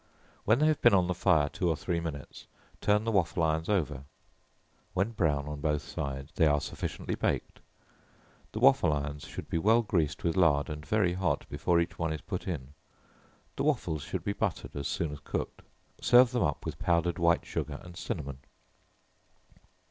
When they have been on the fire two or three minutes, turn the waffle irons over, when brown on both sides, they are sufficiently baked. The waffle irons should be well greased with lard, and very hot before each one is put in. The waffles should be buttered as soon as cooked. Serve them up with powdered white sugar and cinnamon.